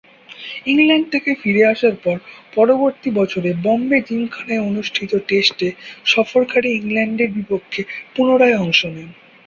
England থেকে ফিরে আসার পর পরবর্তী বছরে বোম্বে জিমখানায় অনুষ্ঠিত টেস্টে সফরকারী ইংল্যান্ডের বিপক্ষে পুনরায় অংশ নেন।